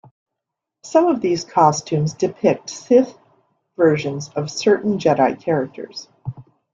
Some of these costumes depict Sith versions of certain Jedi characters.